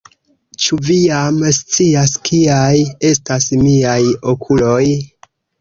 Ĉu Vi jam scias, kiaj estas miaj okuloj?